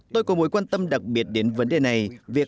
tôi có mối quan tâm đặc biệt đến vấn đề này